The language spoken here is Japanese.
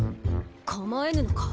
構えぬのか？